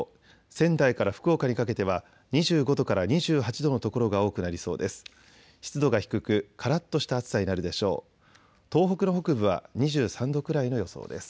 仙台から福岡にかけては２５度から２８度の所が多くなりそうです。